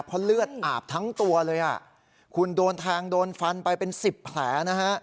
เพราะเลือดอาบทั้งตัวเลยอ่ะคุณโดนแทงโดนฟันไปเป็นสิบแผลนะฮะ